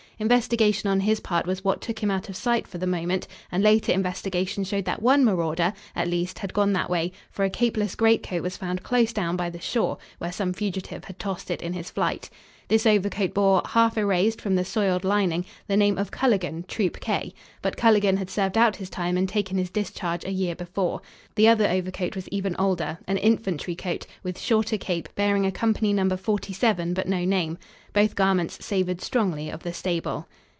Investigation on his part was what took him out of sight for the moment, and later investigation showed that one marauder, at least, had gone that way, for a capeless greatcoat was found close down by the shore, where some fugitive had tossed it in his flight. This overcoat bore, half erased from the soiled lining, the name of Culligan, Troop "K;" but Culligan had served out his time and taken his discharge a year before. The other overcoat was even older, an infantry coat, with shorter cape, bearing a company number "47," but no name. Both garments savored strongly of the stable.